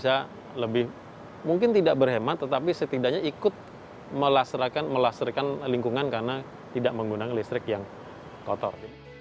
bisa lebih mungkin tidak berhemat tetapi setidaknya ikut melasterkan lingkungan karena tidak menggunakan listrik yang kotor